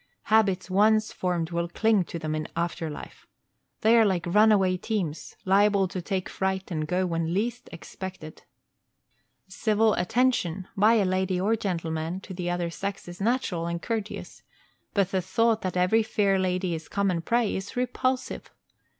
Habits once formed will cling to them in after life. They are like runaway teams liable to take fright and go when least expected. Civil attention, by a lady or gentleman, to the other sex is natural and courteous, but the thought that every fair lady is common prey is repulsive.